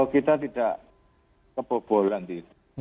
kita tidak kebobolan